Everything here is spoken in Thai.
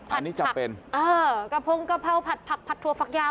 อันนี้จำเป็นเออกระพงกะเพราผัดผักผัดถั่วฝักยาว